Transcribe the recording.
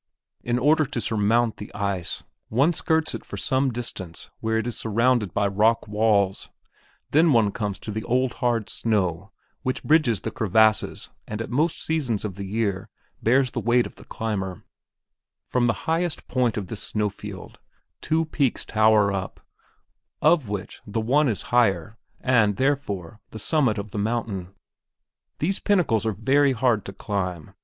In order to surmount the ice one skirts it for some distance where it is surrounded by rock walls, until one comes to the old hard snow which bridges the crevasses and at most seasons of the year bears the weight of the climber. [Illustration: A MOUNTAIN SCENE From the Painting by H. Reifferscheid] From the highest point of this snowfield, two peaks tower up, of which the one is higher and, therefore, the summit of the mountain. These pinnacles are very hard to climb.